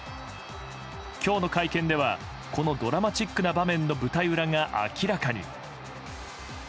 今日の会見ではこのドラマチックな場面の舞台裏が明らかに。